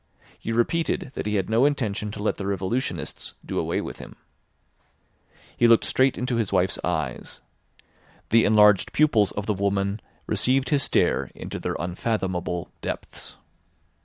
He repeated that he had no intention to let the revolutionists do away with him. He looked straight into his wife's eyes. The enlarged pupils of the woman received his stare into their unfathomable depths.